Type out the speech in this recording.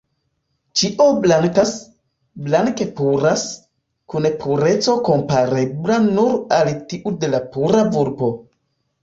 Ĉio blankas, blanke puras, kun pureco komparebla nur al tiu de la pura vulpo.